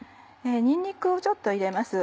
にんにくをちょっと入れます。